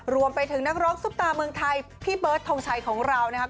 รวมไปถึงนักร้องซุปตาเมืองไทยพี่เบิร์ดทงชัยของเรานะครับ